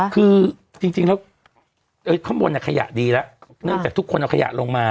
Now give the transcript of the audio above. คือจริงแล้วข้างบนขยะดีแล้วเนื่องจากทุกคนเอาขยะลงมา